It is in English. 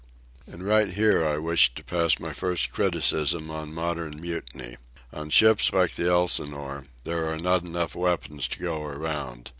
And right here I wish to pass my first criticism on modern mutiny. On ships like the Elsinore there are not enough weapons to go around.